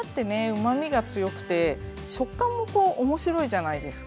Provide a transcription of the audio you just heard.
うまみが強くて食感も面白いじゃないですか。